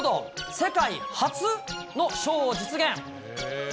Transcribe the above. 世界初のショーを実現。